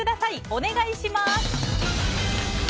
お願いします。